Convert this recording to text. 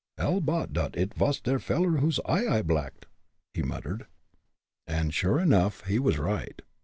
"I'll bet dot id vas der veller whose eye I blacked," he muttered. And, sure enough, he was right.